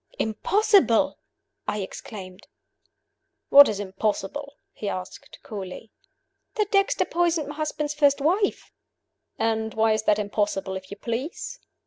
"Impossible!" I exclaimed. "What is impossible?" he asked, coolly "That Dexter poisoned my husband's first wife." "And why is that impossible, if you please?"